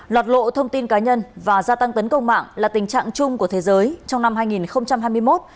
loạt lộ thông tin cá nhân và gia tăng tấn công mạng là tình trạng chung của thế giới trong năm hai nghìn hai mươi một